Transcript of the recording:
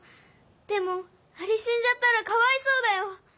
でもアリしんじゃったらかわいそうだよ。